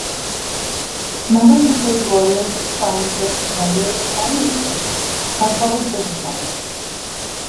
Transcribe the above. Members include lawyers, scientists, writers and musicians, as well as businesswomen.